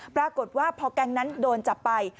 ปรากฏว่าพอแก๊งนั้นโดนจับไป